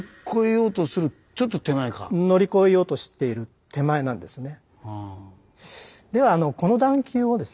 乗り越えようとしている手前なんですね。